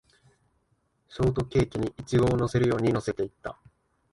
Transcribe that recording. ショートケーキにイチゴを乗せるように乗せていった